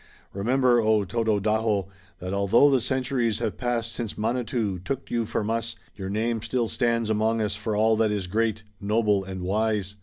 Remember, O, Tododaho, that although the centuries have passed since Manitou took you from us, your name still stands among us for all that is great, noble and wise!